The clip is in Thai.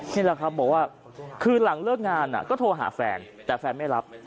นี่แหละครับบอกว่าคือหลังเลิกงานก็โทรหาแฟนแต่แฟนไม่รับ